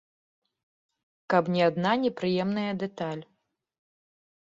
Каб не адна непрыемная дэталь.